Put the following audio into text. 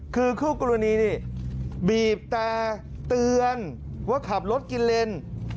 คือคู่กรณีนี่บีบแต่เตือนว่าขับรถกินเลน